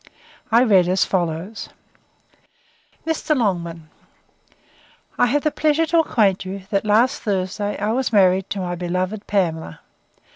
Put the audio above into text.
I read as follows: 'Mr. LONGMAN, 'I have the pleasure to acquaint you, that last Thursday I was married to my beloved Pamela.